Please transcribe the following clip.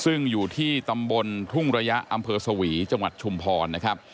ซึ่งอยู่ที่ตำบลทุ่งระยะอำเภอสวีจังหวัดชุมพรนะครับ